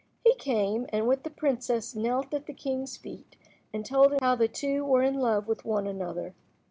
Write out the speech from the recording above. He came, and with the princess knelt at the king's feet, and told him how they two were in love with one another.